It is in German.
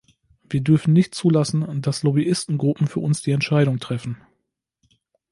Wir dürfen nicht zulassen, dass Lobbyisten-Gruppen für uns die Entscheidungen treffen.